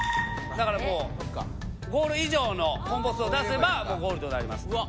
だからもうゴール以上のコンボ数を出せばもうゴールとなります。